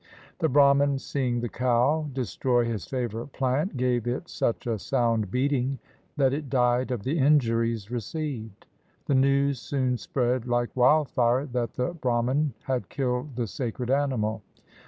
The Brahman, seeing the cow destroy his favorite plant, gave it such a sound beating that it died of the injuries re ceived. The news soon spread like wildfire that the Brahman had killed the sacred animal.